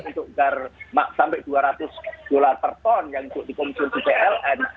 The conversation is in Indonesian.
untuk sampai dua ratus dolar per ton yang untuk dikonsumsi pln